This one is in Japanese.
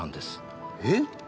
えっ！？